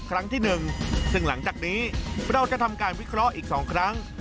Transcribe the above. ครั้งที่๑ซึ่งหลังจากนี้เราจะทำการวิเคราะห์อีก๒ครั้ง